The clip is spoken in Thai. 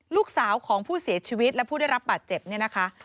ลูกสาวของผู้เสียชีวิตและผู้ได้รับบาดเจ็บเนี่ยนะคะ